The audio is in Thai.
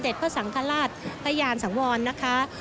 สมเด็จพระสังฆราชประญาณสังวรนะคะ